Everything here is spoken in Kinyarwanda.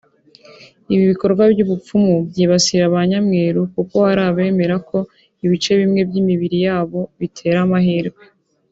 Ibi bikorwa by’ubupfumu byibasira ba nyamweru kuko hari abemera ko ibice bimwe by’imibiri yabo bitera amahirwe